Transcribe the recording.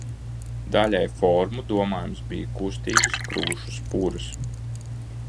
Daļai formu, domājams, bija kustīgas krūšu spuras.